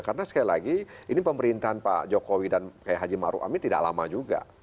karena sekali lagi ini pemerintahan pak jokowi dan haji maru amin tidak lama juga